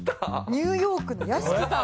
ニューヨークの屋敷さん。